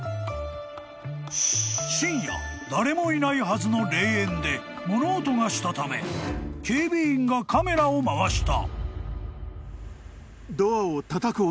［深夜誰もいないはずの霊園で物音がしたため警備員がカメラを回した］